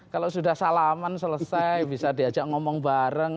kalau sudah salaman selesai bisa diajak ngomong bareng